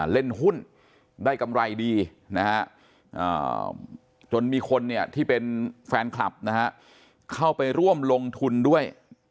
เล่นหุ้นได้กำไรดีจนมีคนที่เป็นแฟนคลับเข้าไปร่วมลงทุนด้วย